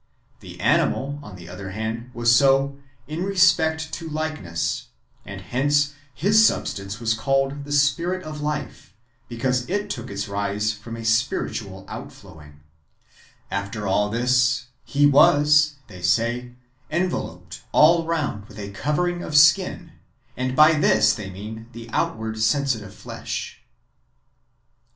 The animal, on the other hand, was so in respect to like ness; and hence his substance was called the spirit of life, because it took its rise from a spiritual outflowing. After ^ Isa. xlv. 5, 6, xlvi. 9. 24 IRENjEUS against heresies. [Book i. all this, he was, they say, enveloped all round with a covering of skin ; and by this they mean the outward sensitive flesh.